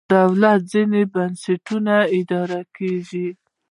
دولت ځینې بنسټونه اداره کېږي.